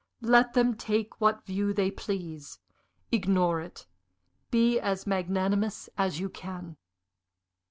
Let them take what view they please. Ignore it be as magnanimous as you can."